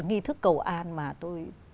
nghi thức cầu an mà tôi